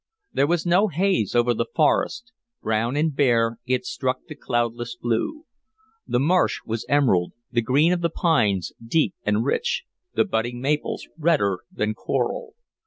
There was no haze over the forest; brown and bare it struck the cloudless blue. The marsh was emerald, the green of the pines deep and rich, the budding maples redder than coral.